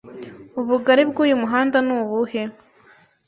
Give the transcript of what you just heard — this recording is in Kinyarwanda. Ubugari bwuyu muhanda ni ubuhe?